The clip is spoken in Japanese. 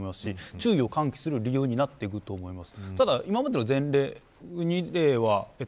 注意を喚起する理由になると思います。